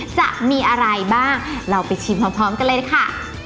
จะมีอะไรบ้างเราไปชิมพร้อมกันเลยค่ะ